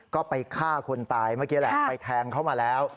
ก็ไปฆ่าคนตายเมื่อกี้แหละไปแทงเขามาแล้ว